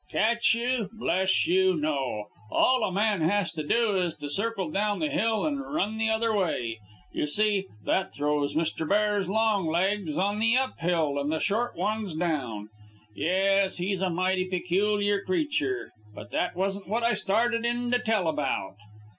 Catch you! Bless you, no. All a man has to do is to circle down the hill and run the other way. You see, that throws mister bear's long legs up the hill and the short ones down. Yes, he's a mighty peculiar creature, but that wasn't what I started in to tell about.